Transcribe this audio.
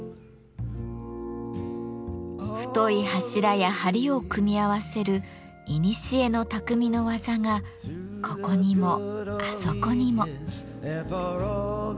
太い柱や梁を組み合わせるいにしえの匠の技がここにもあそこにも。